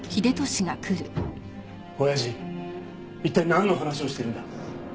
親父一体なんの話をしてるんだ？